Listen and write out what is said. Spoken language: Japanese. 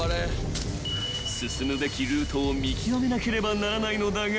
［進むべきルートを見極めなければならないのだが］